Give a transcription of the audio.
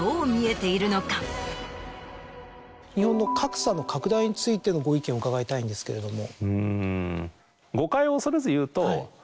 日本の格差の拡大についてのご意見を伺いたいんですけれども。